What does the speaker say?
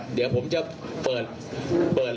เดี๋ยวผมจะเปิด